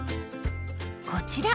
こちら！